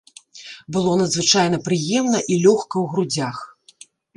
Было надзвычайна прыемна і лёгка ў грудзях.